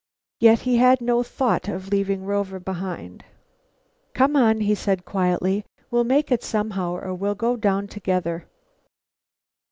Yet he had no thought of leaving Rover behind. "Come on," he said quietly, "we'll make it somehow, or we'll go down together."